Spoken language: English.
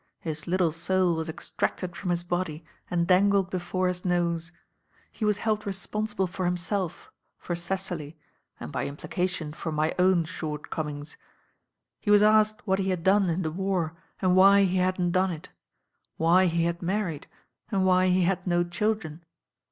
His little soul was e: tracttd from his body and dangled before his nose. He was held responsible for himself, for Cecily, and by implication for my own shortcomings. He was asked what he had done in the war, and why he hadn't done it. Why he had married, and why he had no children.